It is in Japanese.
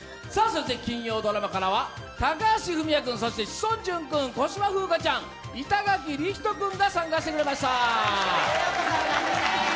金曜ドラマからは高橋文哉君、志尊淳君、小芝風花ちゃん、板垣李光人君が参加してくれました。